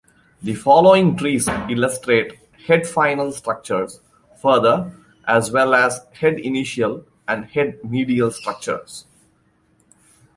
The following trees illustrate head-final structures further as well as head-initial and head-medial structures.